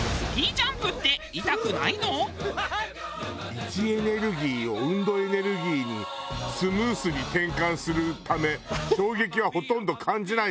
「位置エネルギーを運動エネルギーにスムーズに転換するため衝撃はほとんど感じない」だって。